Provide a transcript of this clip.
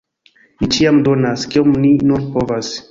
Ni ĉiam donas, kiom ni nur povas.